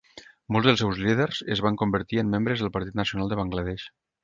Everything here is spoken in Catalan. Molts dels seus líders es van convertir en membres del partit nacional de Bangladesh.